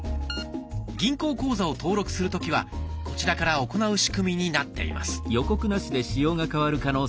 銀行口座を登録する時はこちらから行う仕組みになっています。